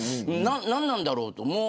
何なんだろうと。